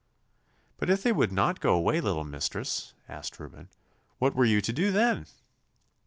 'But if they would not go away, little mistress,' asked Reuben, 'what were you to do then?